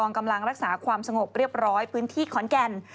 กำลังรักษาความสงบเรียบร้อยพื้นที่ขอนแก่น